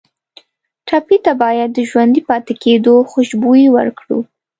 ټپي ته باید د ژوندي پاتې کېدو خوشبويي ورکړو.